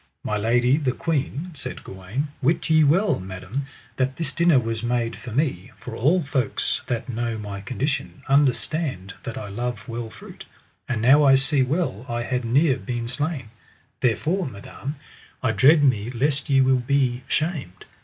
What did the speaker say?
My lady, the queen, said Gawaine, wit ye well, madam, that this dinner was made for me, for all folks that know my condition understand that I love well fruit, and now I see well I had near been slain; therefore, madam, I dread me lest ye will be shamed.